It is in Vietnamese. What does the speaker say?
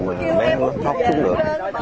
mà bé nó thót xuống được